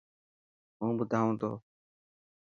هون ٻڌائون تو.